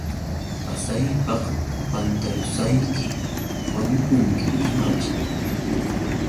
Pasaypaq pantarusayki, ¿wañukunki imaćh?